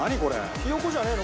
ひよ子じゃねえの？